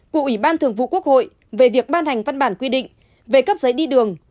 của ủy ban thường vụ quốc hội về việc ban hành văn bản quy định về cấp giấy đi đường